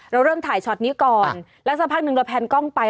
เราร่วมถ่ายนี่ก่อนแล้วสักพักหนึ่งเราแผ่นกล้องไป